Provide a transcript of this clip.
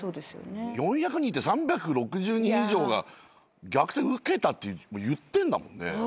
４００人いて３６０人以上が虐待受けたって言ってんだもんね。